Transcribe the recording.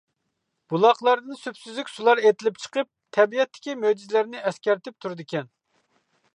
بۇلاقلاردىن سۈپسۈزۈك سۇلار ئېتىلىپ چىقىپ، تەبىئەتتىكى مۆجىزىلەرنى ئەسكەرتىپ تۇرىدىكەن.